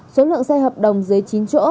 số lượng xe hợp đồng dưới chín chỗ